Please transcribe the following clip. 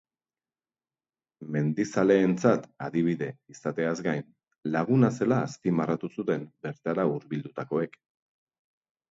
Mendizaleentzat adibide izateaz gain, laguna zela azpimarratu zuten bertara hurbildutakoek.